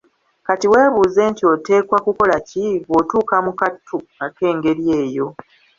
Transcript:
Kati weebuuze nti oteekwakukola ki bw'otuuka mu kattu ak'engeri eyo?